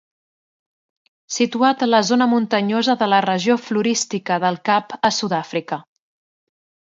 Situat a la zona muntanyosa de la regió Florística del Cap a Sud-àfrica.